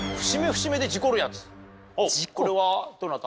これはどなた？